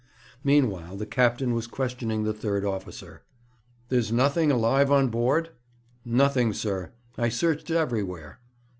Meanwhile the captain was questioning the third officer. 'There's nothing alive on board?' 'Nothing, sir. I searched everywhere.'